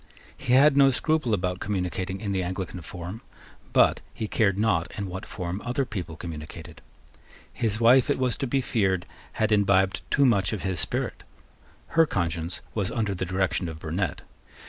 He had no scruple about communicating in the Anglican form; but he cared not in what form other people communicated. His wife, it was to be feared, had imbibed too much of his spirit. Her conscience was under the direction of Burnet.